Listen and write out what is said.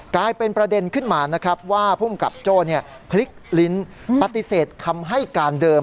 กลายเป็นประเด็นขึ้นมานะครับว่าภูมิกับโจ้พลิกลิ้นปฏิเสธคำให้การเดิม